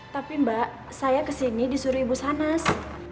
tapi mbak saya kesini disuruh ibu sanas